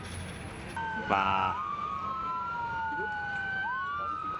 "The Philadelphia Inquirer" called it "the fastest, funniest half-hour in a long time".